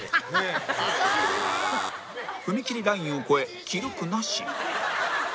踏切ラインを越え記録なし